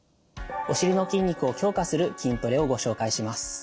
お尻の筋肉を強化する筋トレをご紹介します。